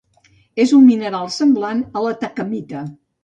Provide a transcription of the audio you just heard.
És un mineral semblant a l'atacamita.